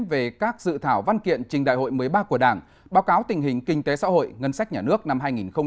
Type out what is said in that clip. về các dự thảo văn kiện trình đại hội một mươi ba của đảng báo cáo tình hình kinh tế xã hội ngân sách nhà nước năm hai nghìn một mươi chín